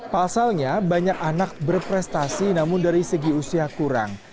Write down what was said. pasalnya banyak anak berprestasi namun dari segi usia kurang